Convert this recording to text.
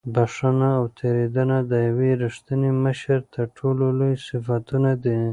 بښنه او تېرېدنه د یو رښتیني مشر تر ټولو لوی صفتونه دي.